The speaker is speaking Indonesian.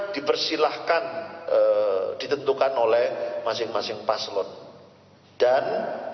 dipersilahkan ditentukan oleh masing masing paslon dan